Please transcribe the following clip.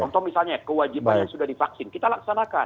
contoh misalnya kewajiban yang sudah divaksin kita laksanakan